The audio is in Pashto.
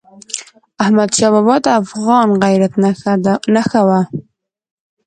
احمدشاه بابا د افغان غیرت نښه وه.